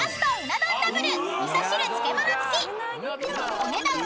［お値段は］